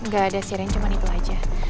gak ada sih ren cuman itu aja